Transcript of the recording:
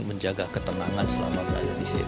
menjaga ketenangan selama berada disini